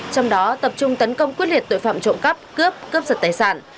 trong đó tập trung tấn công quyết liệt tội phạm trộm cắp cướp cướp giật tài sản